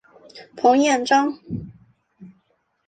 彭彦章。